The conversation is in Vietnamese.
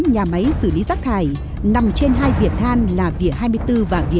nhà máy xử lý rác thải nằm trên hai vỉa than là vỉa hai mươi bốn và vỉa hai mươi năm